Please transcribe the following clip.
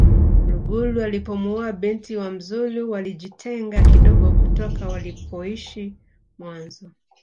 mlugulu alipomuoa binti wa mzulu waligitenga kidogo kutoka walipoishi mwanzo